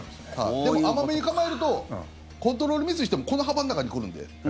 でも、甘めに構えるとコントロールミスしてもこの幅の中に来るんで。